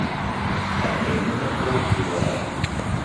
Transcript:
Әмир уны ҡыуып ебәрә.